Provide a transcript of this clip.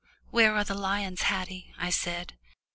"Where are the lions, Haddie?" I said.